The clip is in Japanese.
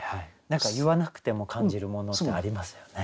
何か言わなくても感じるものってありますよね。